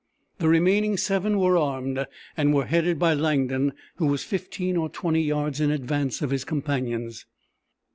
The remaining seven were armed, and were headed by Langdon, who was fifteen or twenty yards in advance of his companions.